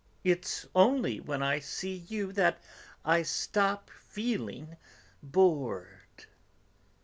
It's only when I see you that I stop feeling bored."